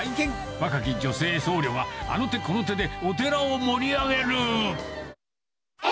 若き女性僧侶が、あの手この手でお寺を盛り上げる。